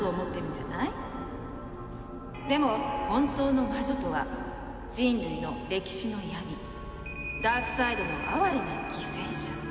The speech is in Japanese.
でも本当の魔女とは人類の歴史の闇ダークサイドの哀れな犠牲者。